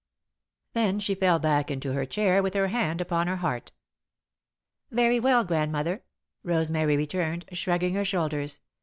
Then she fell back into her chair, with her hand upon her heart. "Very well, Grandmother," Rosemary returned, shrugging her shoulders.